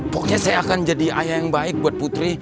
pokoknya saya akan jadi ayah yang baik buat putri